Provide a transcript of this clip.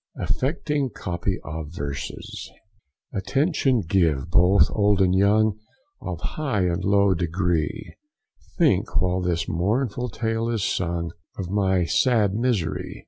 AFFECTING COPY OF VERSES. Attention give, both old and young, Of high and low degree, Think while this mournful tale is sung, Of my sad misery.